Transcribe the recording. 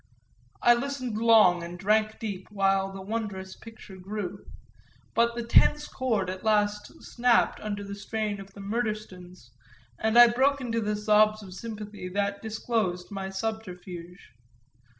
I listened long and drank deep while the wondrous picture grew, but the tense cord at last snapped under the strain of the Murdstones and I broke into the sobs of sympathy that disclosed my subterfuge.